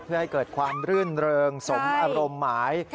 เพื่อให้เกิดความรื่นเริงสมอารมณ์หมาย